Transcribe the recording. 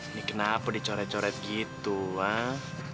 ini kenapa dicoret coret gitu wah